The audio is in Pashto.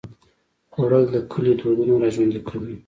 خوړل د کلي دودونه راژوندي کوي